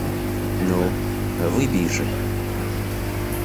Ну, выпей же.